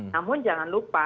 namun jangan lupa